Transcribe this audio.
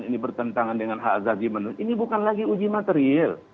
ini bertentangan dengan hak azazi manusia ini bukan lagi uji material